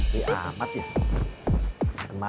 wuhh pasti amat ya